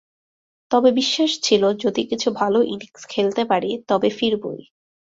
তবে বিশ্বাস ছিল, যদি কিছু ভালো ইনিংস খেলতে পারি, তবে ফিরবই।